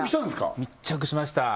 密着しました